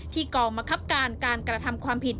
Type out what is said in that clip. กองมะครับการการกระทำความผิด